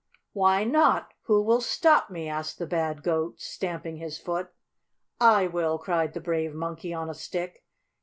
"Why not? Who will stop me?" asked the bad Goat, stamping his foot. "I will!" cried the brave Monkey on a Stick.